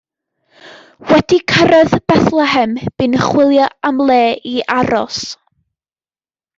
Wedi cyrraedd Bethlehem bu'n chwilio am le i aros.